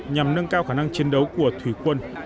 nhằm nâng cao khả năng chiến đấu của thủy quân